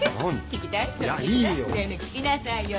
聞きなさいよ。